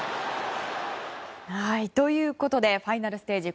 ということでファイナルステージ